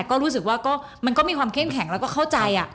ก็รู้สึกว่ามันก็มีความเข้มแข็งแล้วก็เข้าใจ